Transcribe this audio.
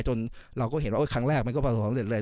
จนเราก็เห็นว่าครั้งแรกมันก็ผสมเสร็จเลย